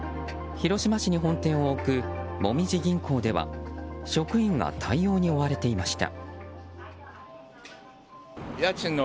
広島市に本店を置くもみじ銀行では、職員が対応に追われていました。